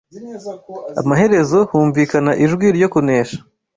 Amaherezo humvikana ijwi ryo kunesha,